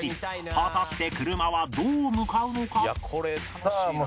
果たして車はどう向かうのか？